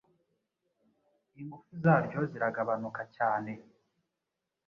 ingufu zaryo ziragabanuka cyane